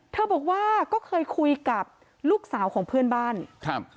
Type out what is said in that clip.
บอกว่าก็เคยคุยกับลูกสาวของเพื่อนบ้านครับ